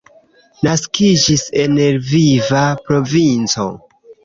Naskiĝis en Lviva provinco.